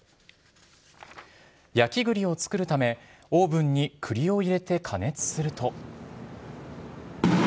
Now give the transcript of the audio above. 焼き栗を作るためオーブンに栗を入れて加熱すると。